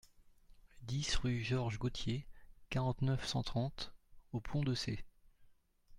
dix rue Georges Gautier, quarante-neuf, cent trente aux Ponts-de-Cé